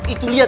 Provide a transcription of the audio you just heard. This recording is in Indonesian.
itu liat kan